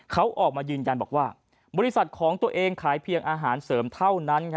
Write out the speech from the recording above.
เขาออกมายืนยันบอกว่าบริษัทของตัวเองขายเพียงอาหารเสริมเท่านั้น